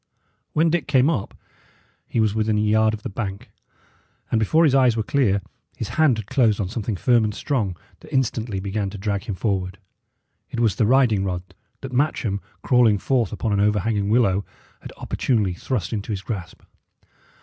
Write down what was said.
When Dick came up, he was within a yard of the bank; and before his eyes were clear, his hand had closed on something firm and strong that instantly began to drag him forward. It was the riding rod, that Matcham, crawling forth upon an overhanging willow, had opportunely thrust into his grasp.